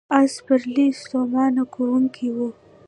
آس سپرلي ستومانه کوونکې وه.